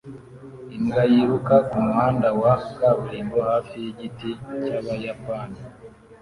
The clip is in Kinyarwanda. Imbwa yiruka kumuhanda wa kaburimbo hafi yigiti cyabayapani